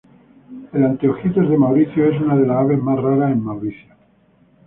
El anteojitos de Mauricio es una de las aves más raras en Mauricio.